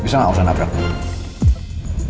bisa nggak usah nabrak bu